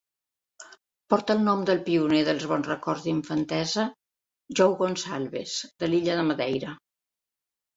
Porta el nom del pioner dels bons records d'infantesa, Joe Gonsalves, de l'illa de Madeira.